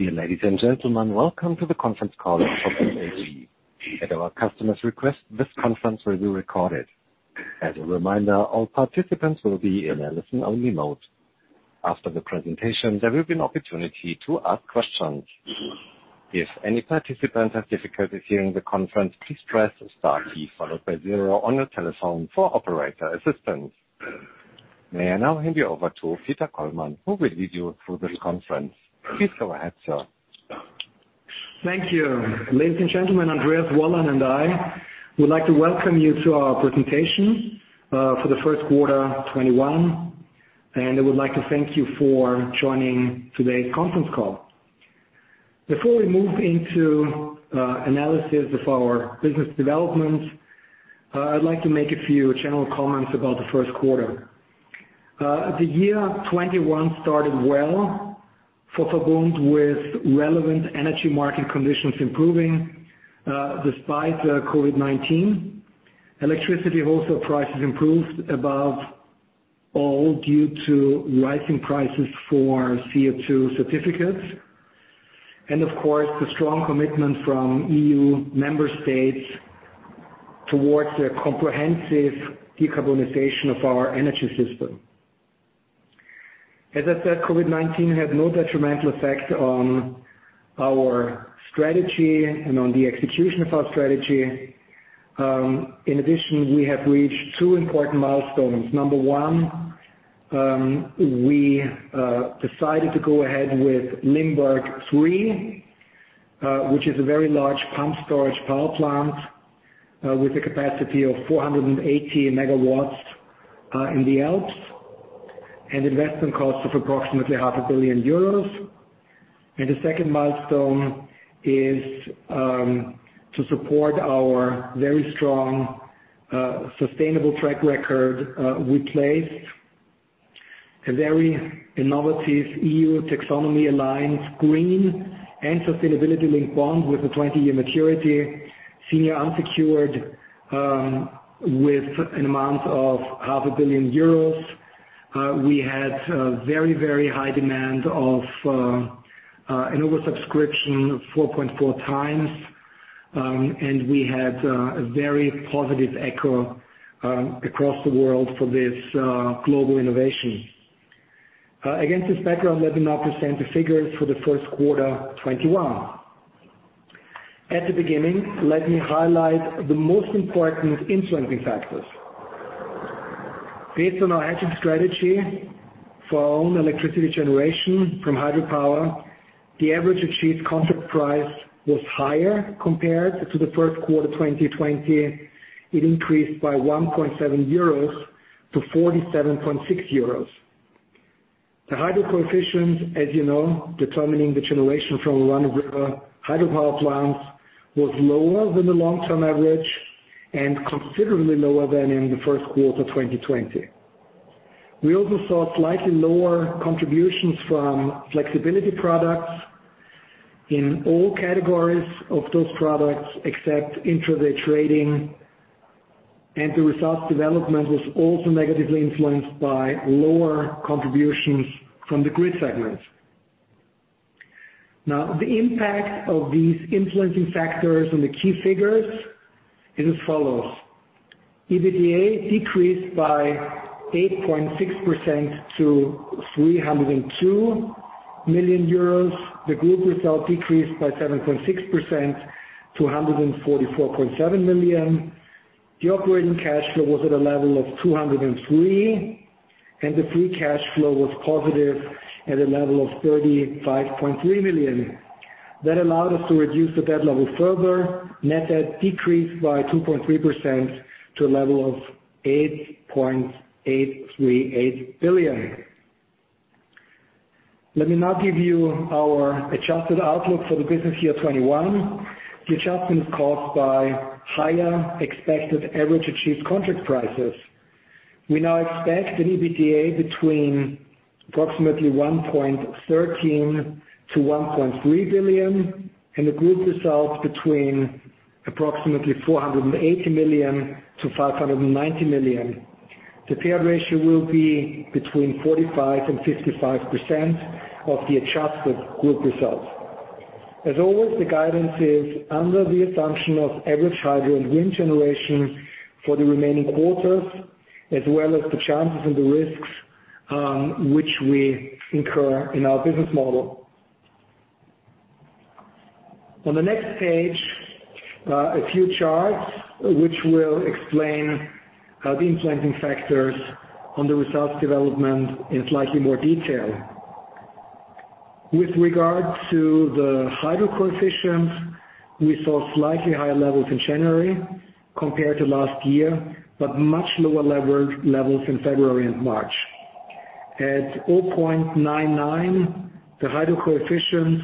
Dear ladies and gentlemen, welcome to the conference call of VERBUND AG. At our customer's request, this conference will be recorded. As a reminder, all participants will be in a listen-only mode. After the presentation, there will be an opportunity to ask questions. If any participants have difficulties hearing the conference, please press star key followed by zero on your telephone for operator assistance. May I now hand you over to Peter Kollmann, who will lead you through this conference. Please go ahead, sir. Thank you. Ladies and gentlemen, Andreas Wollein and I would like to welcome you to our presentation for the first quarter 2021, and I would like to thank you for joining today's conference call. Before we move into analysis of our business development, I'd like to make a few general comments about the first quarter. The year 2021 started well for VERBUND, with relevant energy market conditions improving, despite COVID-19. Electricity wholesale prices improved above all due to rising prices for CO2 certificates, and of course, the strong commitment from EU member states towards a comprehensive decarbonization of our energy system. As I said, COVID-19 had no detrimental effect on our strategy and on the execution of our strategy. In addition, we have reached two important milestones. Number one, we decided to go ahead with Limberg III, which is a very large pumped-storage power plant with a capacity of 480 MW in the Alps, an investment cost of approximately 0.5 billion euros. The second milestone is, to support our very strong, sustainable track record, we placed a very innovative EU taxonomy-aligned green and sustainability-linked bond with a 20-year maturity, senior unsecured, with an amount of 0.5 billion euros. We had very high demand of an oversubscription 4.4x. We had a very positive echo across the world for this global innovation. Against this background, let me now present the figures for the first quarter 2021. At the beginning, let me highlight the most important influencing factors. Based on our hedging strategy for our own electricity generation from hydropower, the average achieved contract price was higher compared to the first quarter 2020. It increased by 1.7-47.6 euros. The hydro coefficient, as you know, determining the generation from run-of-river hydropower plants, was lower than the long-term average and considerably lower than in the first quarter 2020. We also saw slightly lower contributions from flexibility products in all categories of those products except intraday trading. The results development was also negatively influenced by lower contributions from the grid segment. Now, the impact of these influencing factors on the key figures is as follows. EBITDA decreased by 8.6% to 302 million euros. The group result decreased by 7.6% to 144.7 million. The operating cash flow was at a level of 203, the free cash flow was positive at a level of 35.3 million. That allowed us to reduce the debt level further. Net debt decreased by 2.3% to a level of 8.838 billion. Let me now give you our adjusted outlook for the business year 2021. The adjustment is caused by higher expected average achieved contract prices. We now expect an EBITDA between approximately 1.13 billion-1.3 billion and a group result between approximately 480 million-590 million. The payout ratio will be between 45% and 55% of the adjusted group result. As always, the guidance is under the assumption of average hydro and wind generation for the remaining quarters, as well as the chances and the risks which we incur in our business model. On the next page, a few charts which will explain how the influencing factors on the results development in slightly more detail. With regard to the hydro coefficients, we saw slightly higher levels in January compared to last year. Much lower levels in February and March. At 0.99, the hydro coefficient,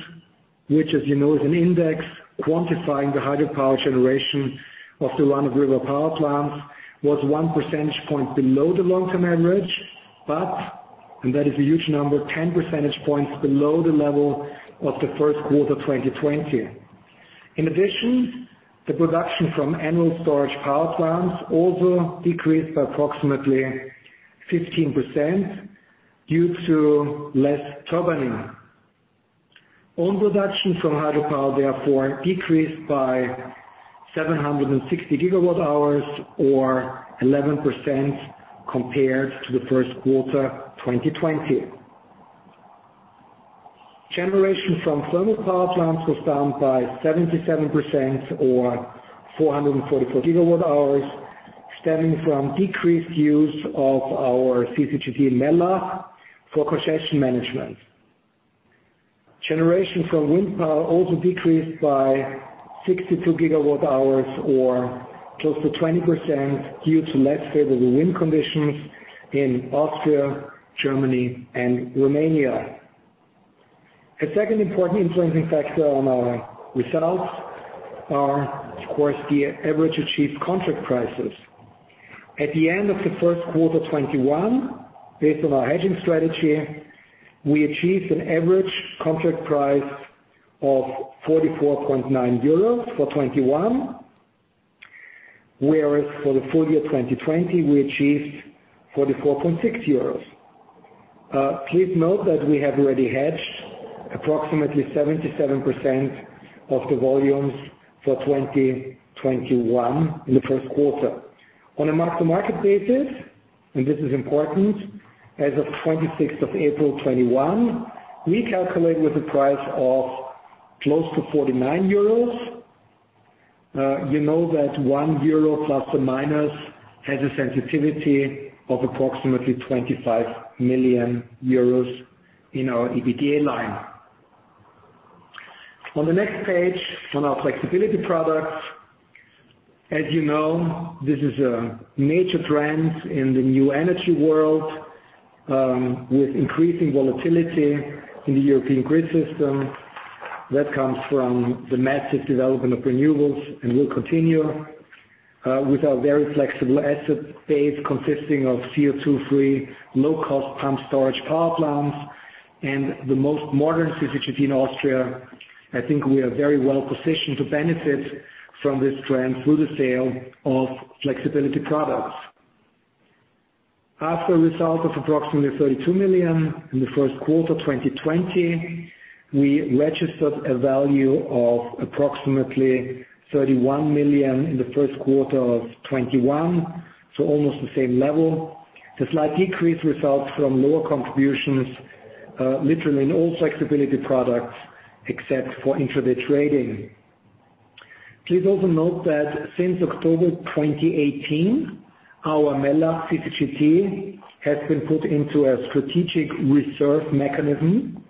which as you know is an index quantifying the hydropower generation of the run-of-river power plants, was 1 percentage point below the long-term average, but, and that is a huge number, 10 percentage points below the level of the first quarter 2020. In addition, the production from annual storage power plants also decreased by approximately 15% due to less turbining. Own production from hydropower therefore decreased by 760 GWh or 11% compared to the first quarter 2020. Generation from thermal power plants was down by 77% or 444 GWh, stemming from decreased use of our CCGT Mellach for congestion management. Generation from wind power also decreased by 62 GWh or close to 20% due to less favorable wind conditions in Austria, Germany and Romania. A second important influencing factor on our results are, of course, the average achieved contract prices. At the end of the first quarter 2021, based on our hedging strategy, we achieved an average contract price of 44.9 euros for 2021, whereas for the full year 2020, we achieved 44.6 euros. Please note that we have already hedged approximately 77% of the volumes for 2021 in the first quarter. On a mark-to-market basis, and this is important, as of 26th of April 2021, we calculate with a price of close to 49 euros. You know that ±1 euro has a sensitivity of approximately 25 million euros in our EBITDA line. On the next page, on our flexibility products, as you know, this is a major trend in the new energy world, with increasing volatility in the European grid system that comes from the massive development of renewables and will continue. With our very flexible asset base consisting of CO2-free, low-cost pumped-storage power plants and the most modern CCGT in Austria, I think we are very well positioned to benefit from this trend through the sale of flexibility products. After a result of approximately 32 million in the first quarter 2020, we registered a value of approximately 31 million in the first quarter of 2021, so almost the same level. The slight decrease results from lower contributions literally in all flexibility products except for intraday trading. Please also note that since October 2018, our Mellach CCGT has been put into a strategic reserve mechanism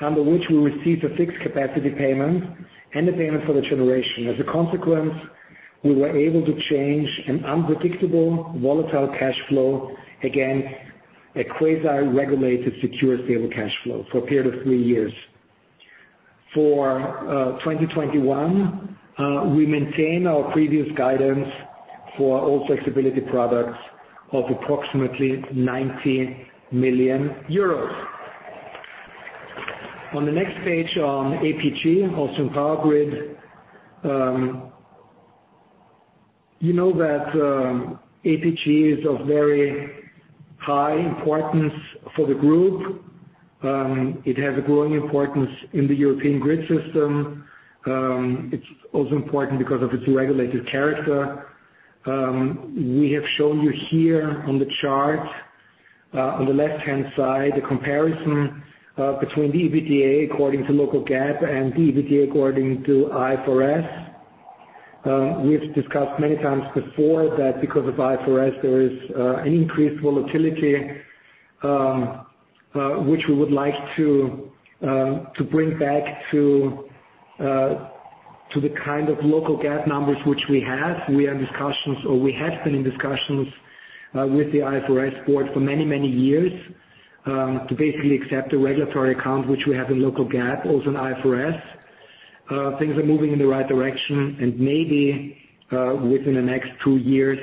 under which we receive a fixed capacity payment and a payment for the generation. As a consequence, we were able to change an unpredictable, volatile cash flow against a quasi-regulated, secure, stable cash flow for a period of three years. For 2021, we maintain our previous guidance for all flexibility products of approximately EUR 90 million. On the next page on APG, Austrian Power Grid. You know that APG is of very high importance for the group. It has a growing importance in the European grid system. It is also important because of its regulated character. We have shown you here on the chart, on the left-hand side, a comparison between the EBITDA according to local GAAP and the EBITDA according to IFRS. We have discussed many times before that because of IFRS, there is an increased volatility, which we would like to bring back to the kind of local GAAP numbers which we have. We are in discussions, or we have been in discussions with the IFRS board for many years, to basically accept a regulatory account which we have in local GAAP, also in IFRS. Things are moving in the right direction and maybe within the next two years,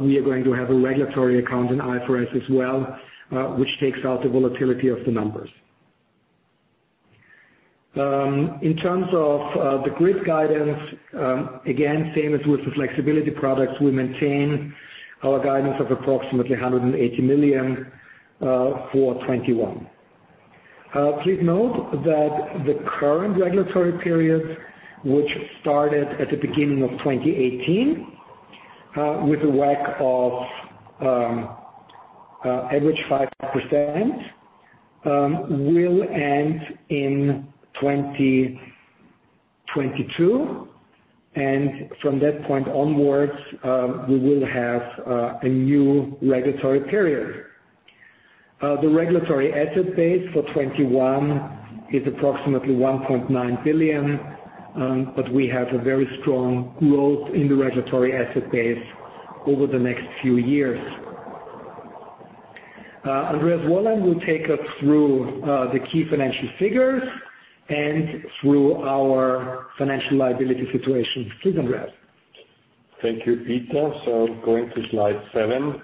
we are going to have a regulatory account in IFRS as well, which takes out the volatility of the numbers. In terms of the grid guidance, again, same as with the flexibility products, we maintain our guidance of approximately 180 million for 2021. Please note that the current regulatory period, which started at the beginning of 2018, with a WACC of average 5%, will end in 2022, and from that point onwards, we will have a new regulatory period. The regulatory asset base for 2021 is approximately 1.9 billion, but we have a very strong growth in the regulatory asset base over the next few years. Andreas Wollein will take us through the key financial figures and through our financial liability situation. Please, Andreas. Thank you, Peter. Going to slide seven,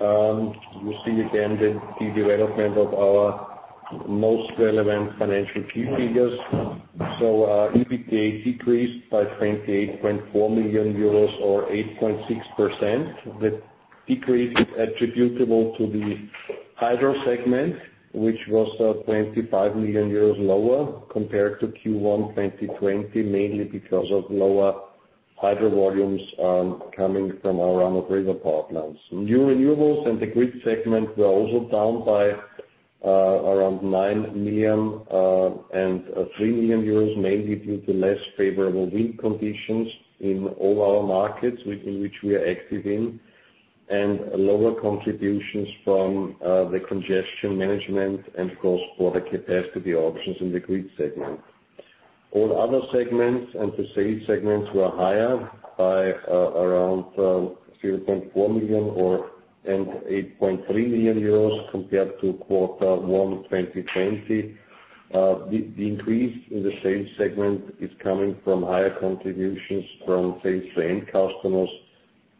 you see again the development of our most relevant financial key figures. EBITDA decreased by 28.4 million euros or 8.6%. The decrease is attributable to the hydro segment, which was 25 million euros lower compared to Q1 2020, mainly because of lower hydro volumes coming from our run-of-river power plants. New renewables and the grid segment were also down by around 9 million and 3 million euros, mainly due to less favorable wind conditions in all our markets in which we are active in, and lower contributions from the congestion management and of course,(cross- border product capacity auctions in the grid segment. All other segments and the sales segments were higher by around 3.4 million and 8.3 million euros compared to Q1 2020. The increase in the sales segment is coming from higher contributions from sales to end customers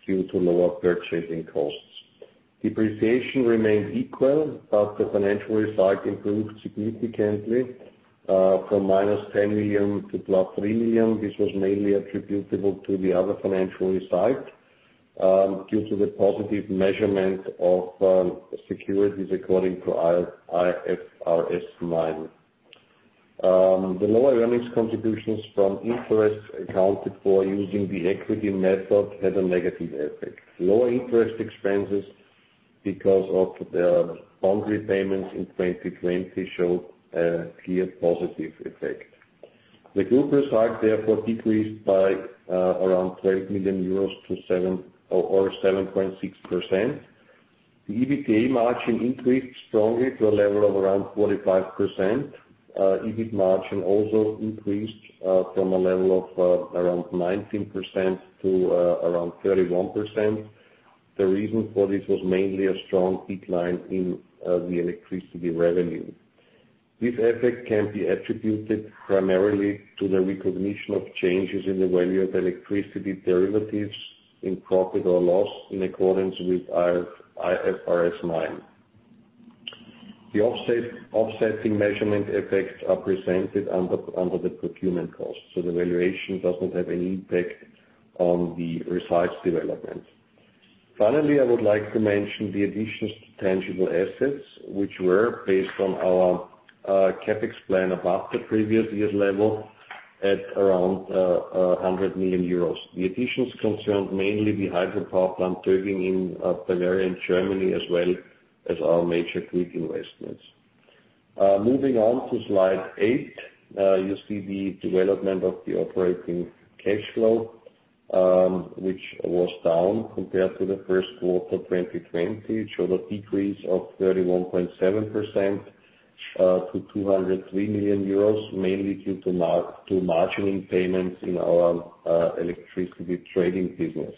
due to lower purchasing costs. Depreciation remained equal, but the financial result improved significantly, from -10 million to +3 million. This was mainly attributable to the other financial result, due to the positive measurement of securities according to IFRS 9. The lower earnings contributions from interest accounted for using the equity method had a negative effect. Lower interest expenses because of the bond repayments in 2020 showed a clear positive effect. The group result therefore decreased by around 12 million euros to seven or 7.6%. The EBITDA margin increased strongly to a level of around 45%. EBIT margin also increased, from a level of around 19% to around 31%. The reason for this was mainly a strong decline in the electricity revenue. This effect can be attributed primarily to the recognition of changes in the value of electricity derivatives in profit or loss in accordance with IFRS 9. The offsetting measurement effects are presented under the procurement cost, the valuation doesn't have any impact on the results development. Finally, I would like to mention the additions to tangible assets, which were based on our CapEx plan above the previous year's level at around 100 million euros. The additions concerned mainly the hydropower plant building in Bavaria and Germany, as well as our major grid investments. Moving on to slide eight, you see the development of the operating cash flow, which was down compared to the first quarter 2020, showed a decrease of 31.7% to 203 million euros, mainly due to margining payments in our electricity trading business.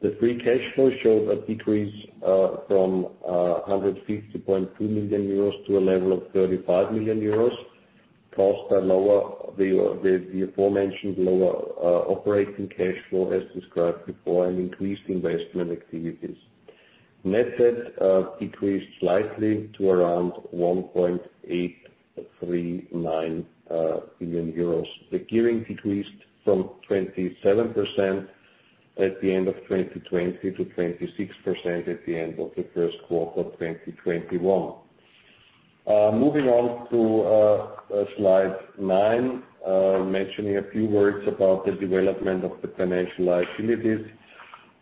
The free cash flow showed a decrease from 150.2 million euros to a level of 35 million euros. Costs are lower. The aforementioned lower operating cash flow as described before, and increased investment activities. Net debt decreased slightly to around 1.839 billion euros. The gearing decreased from 27% at the end of 2020 to 26% at the end of the first quarter 2021. Moving on to slide nine, mentioning a few words about the development of the financial liabilities.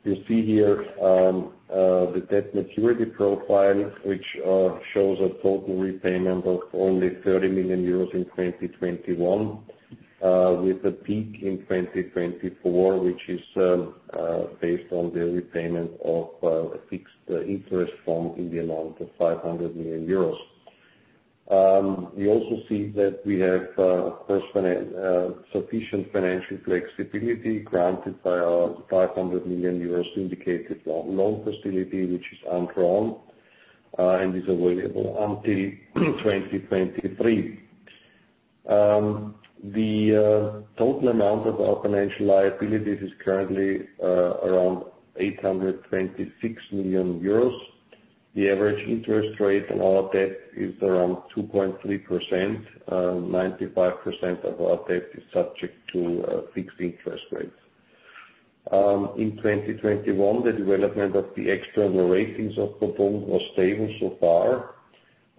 You see here the debt maturity profile, which shows a total repayment of only 30 million euros in 2021, with a peak in 2024, which is based on the repayment of a fixed-interest bond amount of 500 million euros. We also see that we have sufficient financial flexibility granted by our 500 million euro syndicated loan facility, which is undrawn, and is available until 2023. The total amount of our financial liabilities is currently around 826 million euros. The average interest rate on our debt is around 2.3%. 95% of our debt is subject to fixed interest rates. In 2021, the development of the external ratings of VERBUND was stable so far.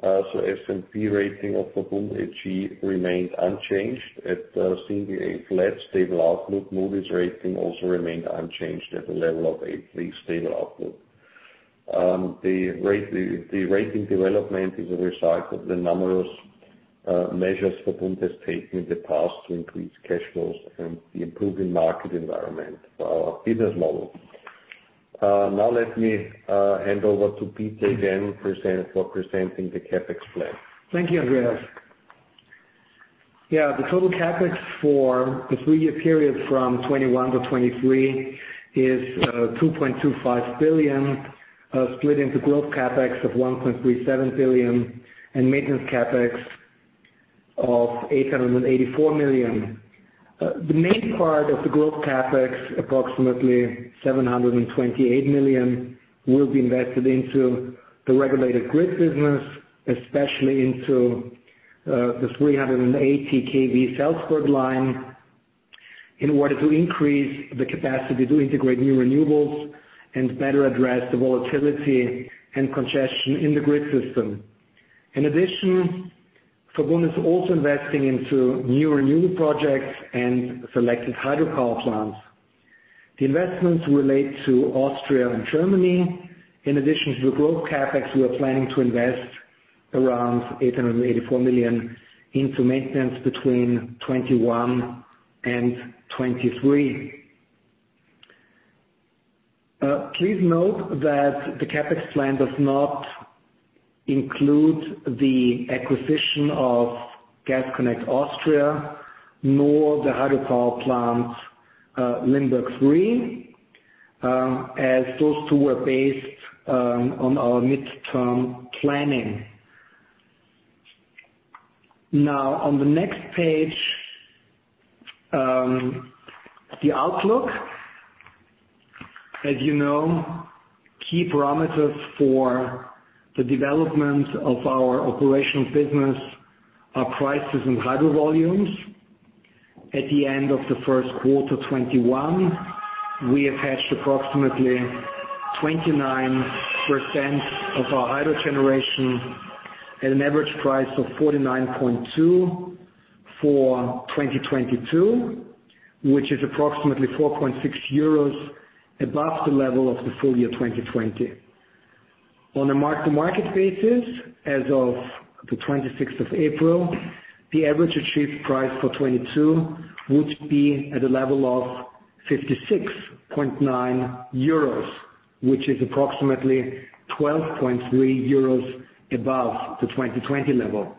S&P rating of VERBUND AG remained unchanged at single A flat stable outlook. Moody's rating also remained unchanged at a level of A3 stable outlook. The rating development is a result of the numerous measures VERBUND has taken in the past to increase cash flows and the improving market environment of our business model. Let me hand over to Peter again for presenting the CapEx plan. Thank you, Andreas Wollein. The total CapEx for the three-year period from 2021-2023 is 2.25 billion, split into growth CapEx of 1.37 billion and maintenance CapEx of 884 million. The main part of the growth CapEx, approximately 728 million, will be invested into the regulated grid business, especially into the 380-kV Salzburg line, in order to increase the capacity to integrate new renewables and better address the volatility and congestion in the grid system. In addition, VERBUND is also investing into new renewable projects and selected hydropower plants. The investments relate to Austria and Germany. In addition to the growth CapEx, we are planning to invest around 884 million in maintenance between 2021 and 2023. Please note that the CapEx plan does not include the acquisition of Gas Connect Austria, nor the hydropower plant Limberg 3, as those two were based on our midterm planning. Now, on the next page, the outlook. As you know, key parameters for the development of our operational business are prices and hydro volumes. At the end of the first quarter 2021, we hedged approximately 29% of our hydro generation at an average price of 49.2 for 2022, which is approximately 4.6 euros above the level of the full year 2020. On a mark-to-market basis, as of the 26th of April, the average achieved price for 2022 would be at a level of 56.9 euros, which is approximately 12.3 euros above the 2020 level.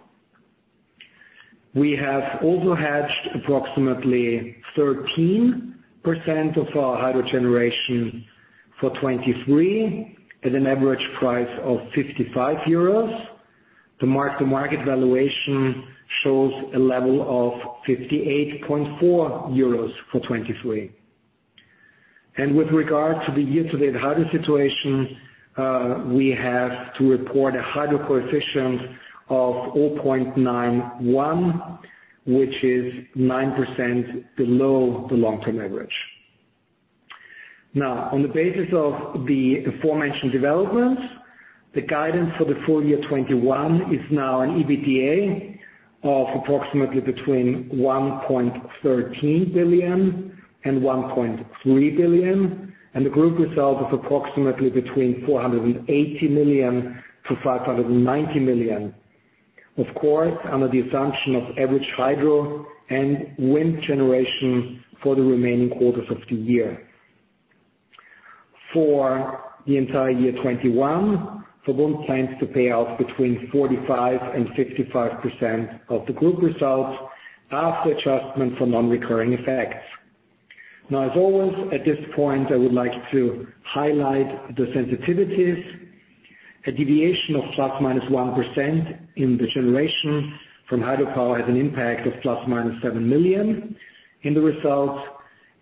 We have also hedged approximately 13% of our hydro generation for 2023 at an average price of 55 euros. The mark-to-market valuation shows a level of 58.4 euros for 2023. With regard to the year-to-date hydro situation, we have to report a hydro coefficient of 0.91, which is 9% below the long-term average. On the basis of the aforementioned developments, the guidance for the full year 2021 is an EBITDA of approximately between 1.13 billion and 1.3 billion, and the group result is approximately between 480 million-590 million. Of course, under the assumption of average hydro and wind generation for the remaining quarters of the year. For the entire year 2021, VERBUND plans to pay out between 45% and 55% of the group result after adjustment for non-recurring effects. As always, at this point, I would like to highlight the sensitivities. A deviation of ± 1% in the generation from hydropower has an impact of ± 7 million in the result.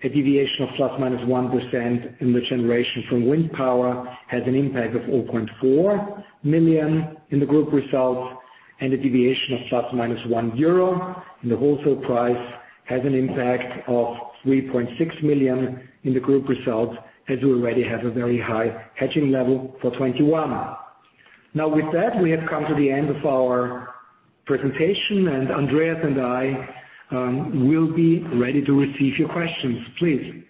A deviation of ±1% in the generation from wind power has an impact of 0.4 million in the group result, and a deviation of ±1 euro in the wholesale price has an impact of 3.6 million in the group result, as we already have a very high hedging level for 2021. With that, we have come to the end of our presentation, and Andreas and I will be ready to receive your questions. Please.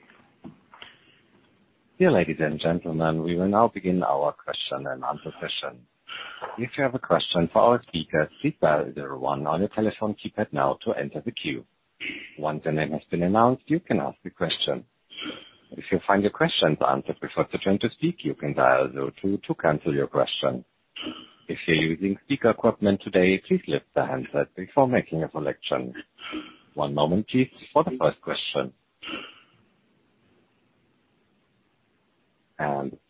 Dear ladies and gentlemen, we will now begin our question and answer session. If you have a question, follow speaker one and press star one on your telephone keypad now to enter the queue. Once your name has been announced. You can ask the question. If you find your question answered before your turn to speak. You can zero two to cancel your question. If you're using speaker equipment today, please lift the handset before making your selection. One moment please for the first question.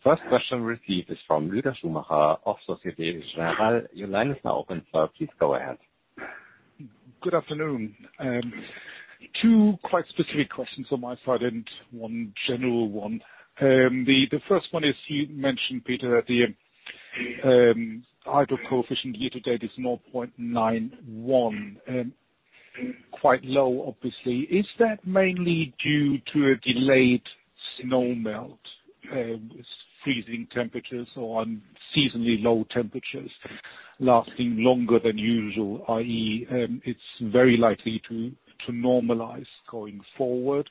First question received is from Lueder Schumacher of Société Générale. Your line is now open, sir. Please go ahead. Good afternoon. Two quite specific questions on my side and one general one. The first one is, you mentioned, Peter Kollmann, the hydro coefficient year to date is 0.91. Quite low, obviously. Is that mainly due to a delayed snow melt, freezing temperatures, or unseasonably low temperatures lasting longer than usual, i.e., it's very likely to normalize going forward?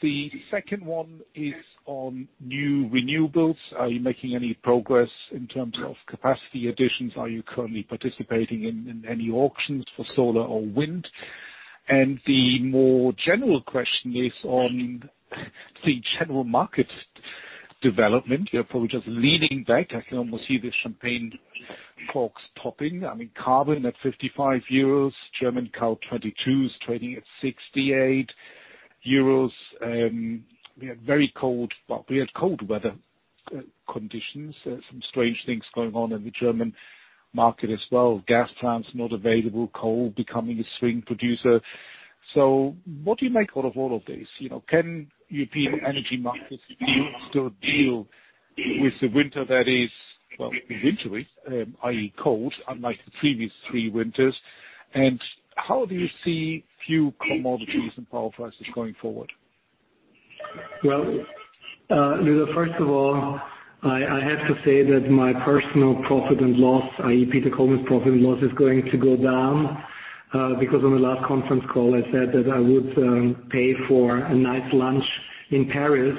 The second one is on new renewables. Are you making any progress in terms of capacity additions? Are you currently participating in any auctions for solar or wind? The more general question is on the general market development. You're probably just leaning back. I can almost see the champagne corks popping. Carbon at 55 euros. German Calendar Year 2022 is trading at 68 euros. We had cold weather conditions, some strange things going on in the German market as well. Gas plants not available, coal becoming a swing producer. What do you make out of all of this? Can European energy markets still deal with the winter that is, well, wintery, i.e., cold, unlike the previous three winters? How do you see fuel commodities and power prices going forward? Well, first of all, I have to say that my personal profit and loss, i.e., Peter Kollmann's profit and loss, is going to go down, because on the last conference call, I said that I would pay for a nice lunch in Paris,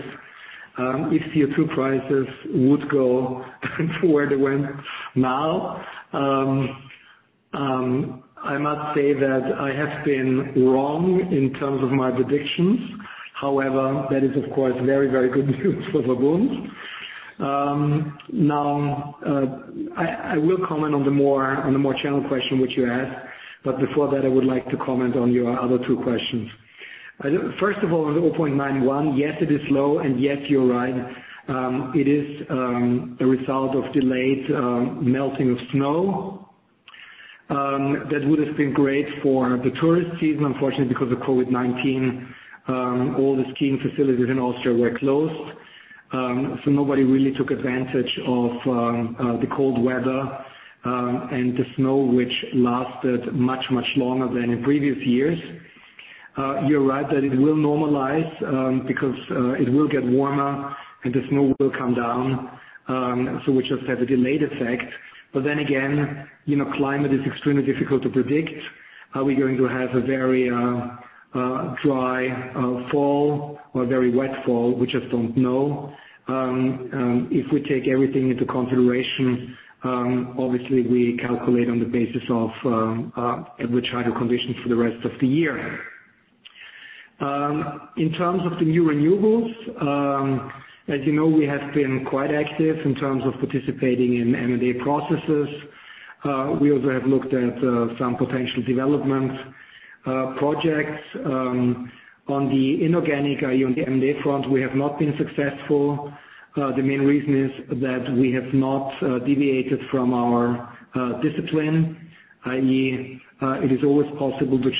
if CO2 prices would go to where they went now. I must say that I have been wrong in terms of my predictions. That is, of course, very good news for VERBUND. I will comment on the more general question which you asked, but before that, I would like to comment on your other two questions. On the 0.91, yes, it is low, and yes, you're right. It is a result of delayed melting of snow. That would have been great for the tourist season. Because of COVID-19, all the skiing facilities in Austria were closed. Nobody really took advantage of the cold weather and the snow, which lasted much longer than in previous years. You're right that it will normalize, because it will get warmer and the snow will come down. We just have a delayed effect. Again, climate is extremely difficult to predict. Are we going to have a very dry fall or a very wet fall? We just don't know. If we take everything into consideration, obviously we calculate on the basis of average hydro conditions for the rest of the year. In terms of the new renewables, as you know, we have been quite active in terms of participating in M&A processes. We also have looked at some potential development projects. On the inorganic, i.e., on the M&A front, we have not been successful. The main reason is that we have not deviated from our discipline, i.e., it is always possible to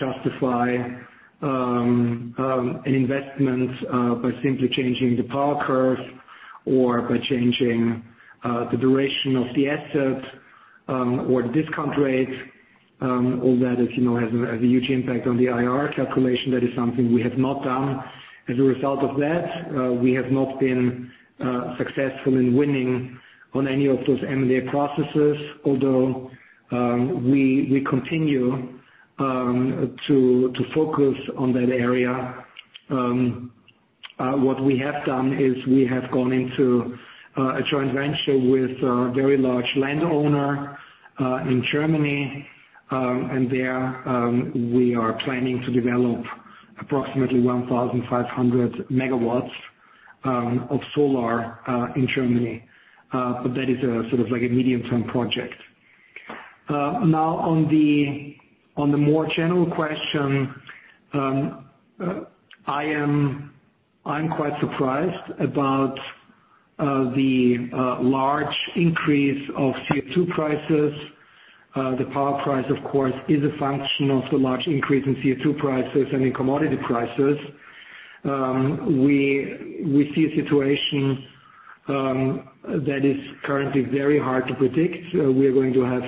justify an investment by simply changing the power curve or by changing the duration of the asset or discount rate. All that has a huge impact on the IRR calculation. That is something we have not done. As a result of that, we have not been successful in winning on any of those M&A processes, although we continue to focus on that area. What we have done is we have gone into a joint venture with a very large landowner in Germany. There we are planning to develop approximately 1,500 MW of solar in Germany. That is a medium-term project. Now, on the more general question, I'm quite surprised about the large increase of CO2 prices. The power price, of course, is a function of the large increase in CO2 prices and in commodity prices. We see a situation that is currently very hard to predict. We are going to have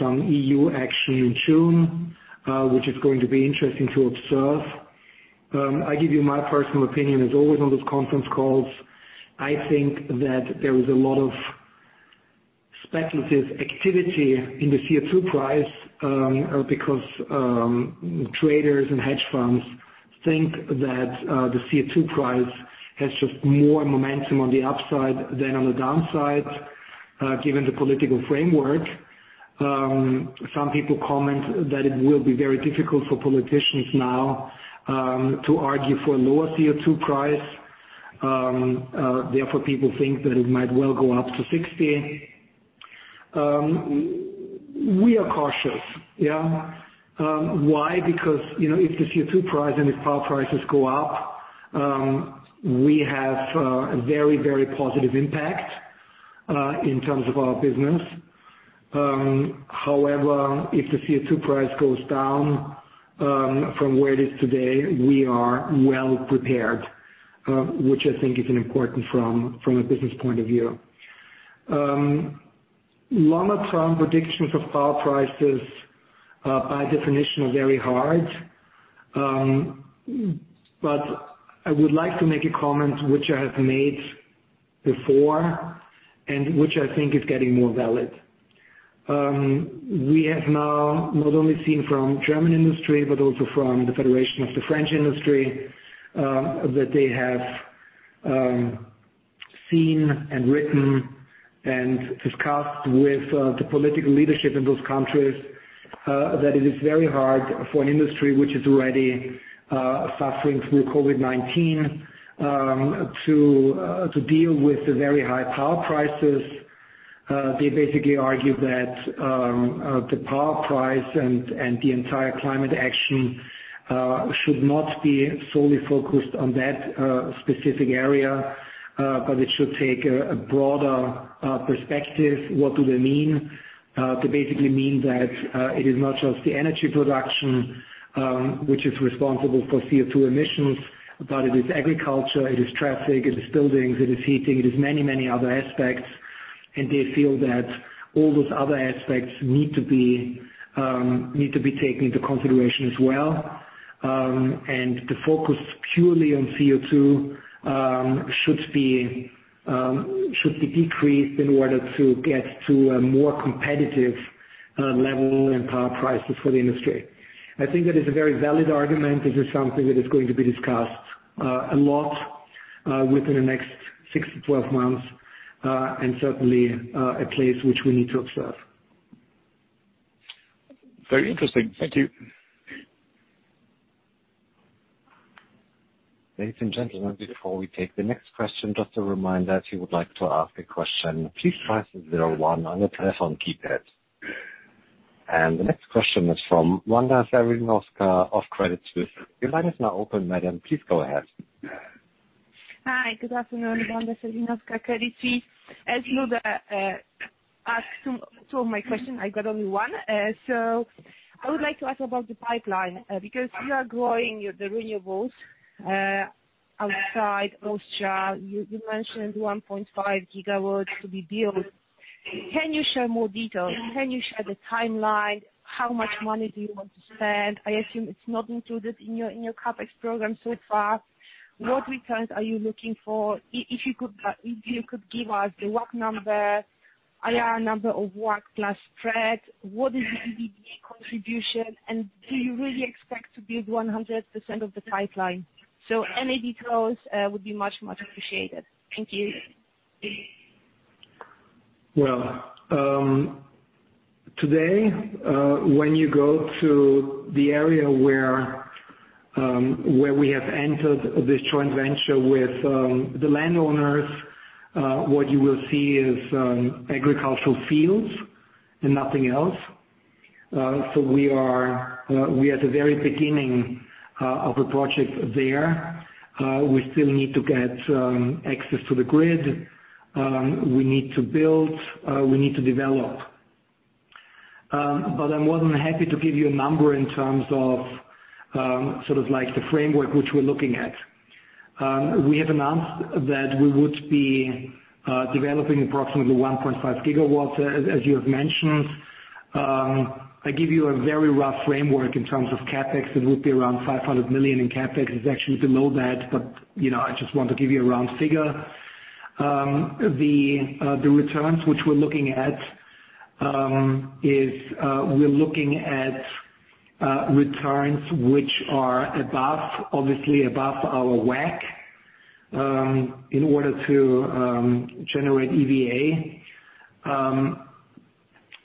some EU action in June, which is going to be interesting to observe. I give you my personal opinion, as always on those conference calls, I think that there is a lot of speculative activity in the CO2 price, because traders and hedge funds think that the CO2 price has just more momentum on the upside than on the downside, given the political framework. Some people comment that it will be very difficult for politicians now to argue for a lower CO2 price. People think that it might well go up to 60. We are cautious. Why? If the CO2 price and if power prices go up, we have a very positive impact in terms of our business. If the CO2 price goes down, from where it is today, we are well prepared, which I think is important from a business point of view. Longer term predictions of power prices, by definition, are very hard. I would like to make a comment which I have made before, and which I think is getting more valid. We have now not only seen from German industry, but also from the Federation of the French industry, that they have seen and written and discussed with the political leadership in those countries, that it is very hard for an industry which is already suffering through COVID-19, to deal with the very high power prices. They basically argue that the power price and the entire climate action should not be solely focused on that specific area, but it should take a broader perspective. What do they mean? They basically mean that it is not just the energy production which is responsible for CO2 emissions, but it is agriculture, it is traffic, it is buildings, it is heating, it is many other aspects. They feel that all those other aspects need to be taken into consideration as well, and the focus purely on CO2 should be decreased in order to get to a more competitive level and power prices for the industry. I think that is a very valid argument. This is something that is going to be discussed a lot within the next 6 to 12 months, and certainly, a place which we need to observe. Very interesting. Thank you. Ladies and gentlemen, before we take the next question, just a reminder, if you would like to ask a question, please press the zero one on your telephone keypad. The next question is from Wanda Serwinowska of Credit Suisse. Your line is now open, madam, please go ahead. Hi, good afternoon. Wanda Serwinowska, Credit Suisse. As you asked two of my question, I got only one. I would like to ask about the pipeline, because you are growing the renewables outside Austria. You mentioned 1.5 GW to be built. Can you share more details? Can you share the timeline? How much money do you want to spend? I assume it's not included in your CapEx program so far. What returns are you looking for? If you could give us the WACC number, IRR number of WACC plus spread, what is the EBITDA contribution, and do you really expect to build 100% of the pipeline? Any details would be much appreciated. Thank you. Today, when you go to the area where we have entered this joint venture with the landowners, what you will see is agricultural fields and nothing else. We are at the very beginning of a project there. We still need to get access to the grid. We need to build, we need to develop. I'm more than happy to give you a number in terms of the framework which we're looking at. We have announced that we would be developing approximately 1.5 GW, as you have mentioned. I give you a very rough framework in terms of CapEx. It would be around 500 million, and CapEx is actually below that, but I just want to give you a round figure. The returns which we're looking at is, we're looking at returns which are obviously above our WACC, in order to generate EVA.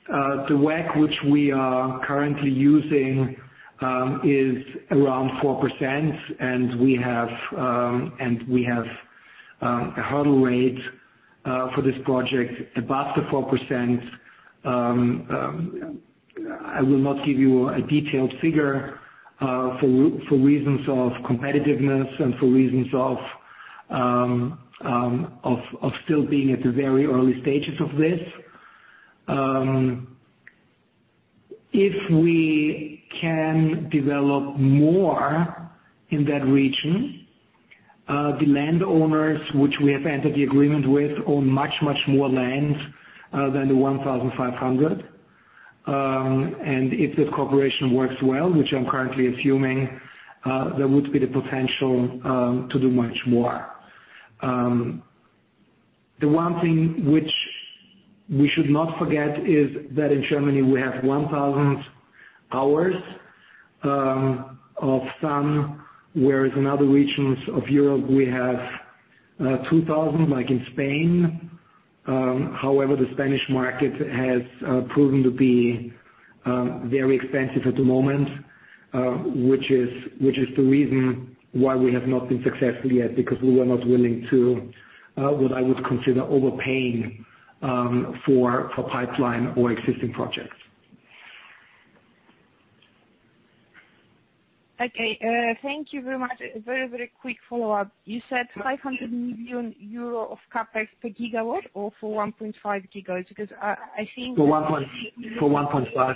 The WACC which we are currently using is around 4%, and we have a hurdle rate for this project above the 4%. I will not give you a detailed figure for reasons of competitiveness and for reasons of still being at the very early stages of this. If we can develop more in that region, the landowners which we have entered the agreement with own much more land than the 1,500. If this cooperation works well, which I'm currently assuming, there would be the potential to do much more. The one thing which we should not forget is that in Germany we have 1,000 hours of sun, whereas in other regions of Europe, we have 2,000 hours, like in Spain. However, the Spanish market has proven to be very expensive at the moment, which is the reason why we have not been successful yet, because we were not willing to, what I would consider overpaying for pipeline or existing projects. Thank you very much. A very quick follow-up. You said 500 million euro of CapEx per GW or for 1.5 GW? For 1.5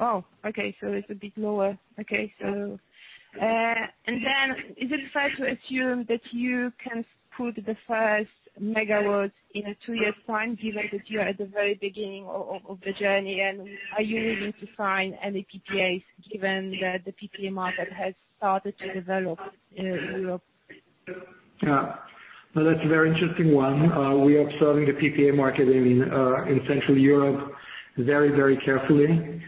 GW. Okay, so it's a bit lower. Okay. Is it fair to assume that you can put the first megawatts in a two-year time, given that you are at the very beginning of the journey, and are you looking to sign any PPAs, given that the PPA market has started to develop in Europe? No, that is a very interesting one. We are observing the PPA market in Central Europe very carefully.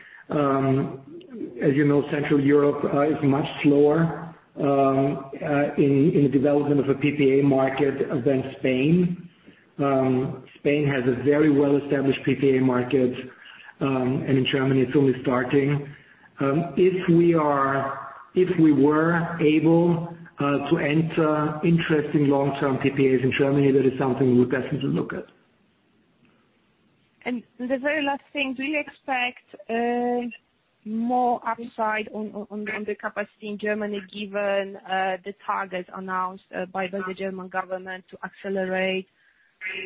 As you know, Central Europe is much slower in the development of a PPA market than Spain. Spain has a very well-established PPA market, and in Germany it is only starting. If we were able to enter interesting long-term PPAs in Germany, that is something we would definitely look at. The very last thing, do you expect more upside on the capacity in Germany, given the target announced by the German government to accelerate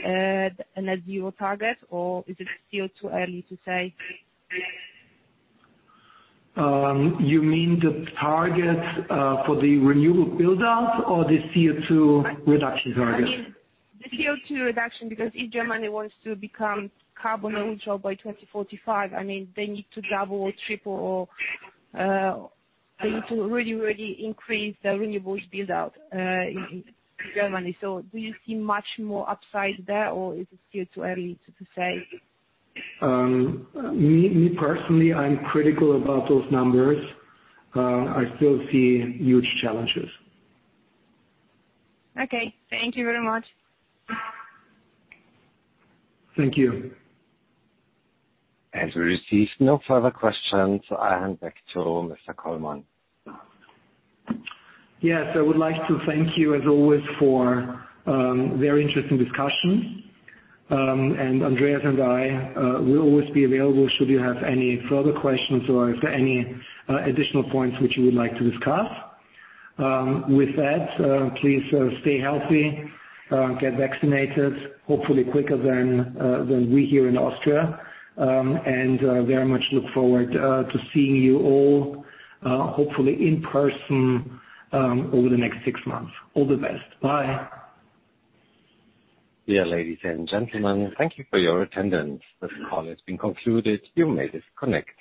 a net zero target, or is it still too early to say? You mean the target for the renewable build-out or the CO2 reduction target? I mean the CO2 reduction, because if Germany wants to become carbon neutral by 2045, they need to double or triple or they need to really increase the renewables build-out in Germany. Do you see much more upside there, or is it still too early to say? Me personally, I'm critical about those numbers. I still see huge challenges. Okay. Thank you very much. Thank you. As we receive no further questions, I hand back to Mr. Kollmann. Yes. I would like to thank you as always for a very interesting discussion. Andreas and I will always be available should you have any further questions or if there are any additional points which you would like to discuss. With that, please stay healthy, get vaccinated, hopefully quicker than we here in Austria, and very much look forward to seeing you all, hopefully in person, over the next six months. All the best. Bye. Dear ladies and gentlemen, thank you for your attendance. This call has been concluded. You may disconnect.